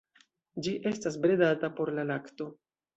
Ĝi estas bredata por la lakto.